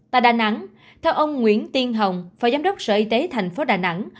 tại đà nẵng theo ông nguyễn tiên hồng phó giám đốc sở y tế thành phố đà nẵng